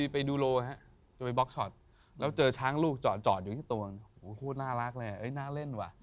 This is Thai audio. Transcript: ไปดูโลจะไปบล็อกช็อตแล้วเจอช้างลูกจอดอยู่ที่ตัวน่ารักเลยน่าเล่นว่ะ